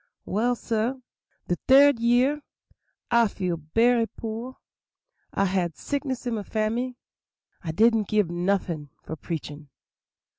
"Well, sah, de third year I feel berry poor; had sickness in my family; I didn't gib noffin' for preachin'.